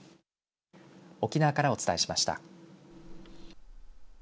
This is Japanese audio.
沖縄からお伝えしました。